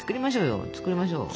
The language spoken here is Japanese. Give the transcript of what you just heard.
作りましょうよ。